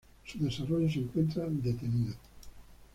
Su desarrollo se encuentra detenido.